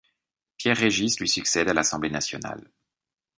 Pierre Régis lui succède à l'Assemblée nationale.